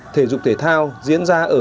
thể dục thể thao diễn ra ở